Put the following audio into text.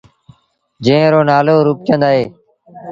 جݩهݩ رو نآلو روپچند اهي۔